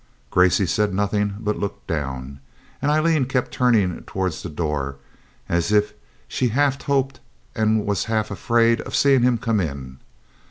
Gracey said nothing, but looked down, and Aileen kept turning towards the door as if she half hoped and was half afraid of seeing him come in.